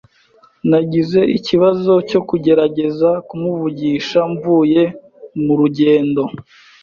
Nagize ikibazo cyo kugerageza kumuvugisha mvuye mu rugendo.